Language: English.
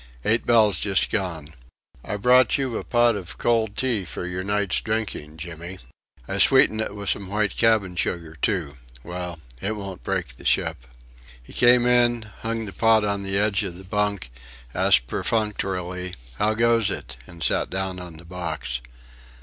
"Eight bells just gone. I brought you a pot of cold tea for your night's drinking, Jimmy. I sweetened it with some white cabin sugar, too. Well it won't break the ship." He came in, hung the pot on the edge of the bunk, asked perfunctorily, "How goes it?" and sat down on the box.